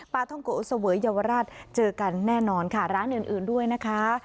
ท่องโกะเสวยเยาวราชเจอกันแน่นอนค่ะร้านอื่นด้วยนะคะ